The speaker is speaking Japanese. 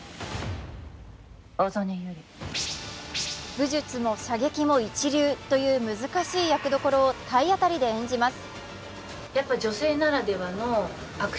武術も射撃も一流という難しい役どころを体当たりで演じます。